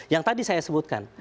yang tadi saya sebutkan